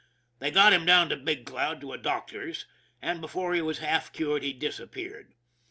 They got him down to Big Cloud to a doc tor's, and before he was half cured he disappeared.